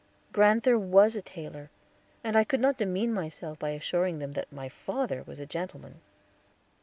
Grand'ther was a tailor, and I could not demean myself by assuring them that my father was a gentleman.